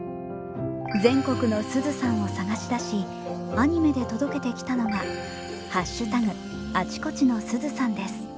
全国のすずさんを探し出しアニメで届けてきたのが「＃あちこちのすずさん」です。